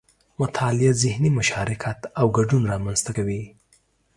مطالعه ذهني مشارکت او ګډون رامنځته کوي